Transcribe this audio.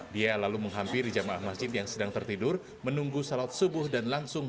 dia lalu menghampiri jemaah masjid yang sedang tertidur menunggu salat subuh dan langsung